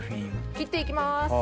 切って行きます。